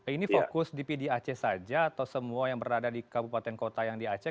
ini fokus di pdi aceh saja atau semua yang berada di kabupaten kota yang di aceh